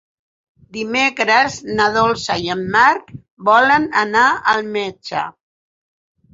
Dimecres na Dolça i en Marc volen anar al metge.